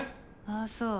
ああそう。